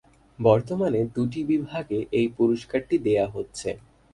বর্তমানে দুইটি বিভাগে এই পুরস্কারটি দেয়া হচ্ছে।